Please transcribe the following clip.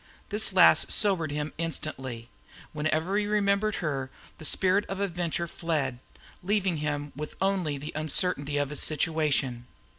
This last sobered him instantly. Whenever he remembered her, the spirit of adventure fled, leaving him with only the uncertainty of his situation.